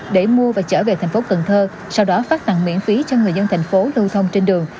để mua và trở về tp hcm sau đó phát tặng miễn phí cho người dân tp hcm lưu thông trên đường